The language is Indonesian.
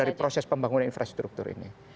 dari proses pembangunan infrastruktur ini